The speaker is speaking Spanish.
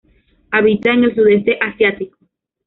Habita en el Sudeste Asiático.